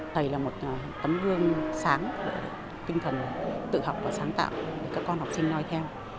thầy là một tấm gương sáng tinh thần tự học và sáng tạo để các con học sinh nói theo